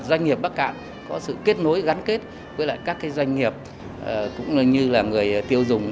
doanh nghiệp bắc cạn có sự kết nối gắn kết với các doanh nghiệp cũng như là người tiêu dùng